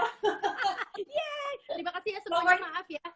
terima kasih ya semuanya maaf ya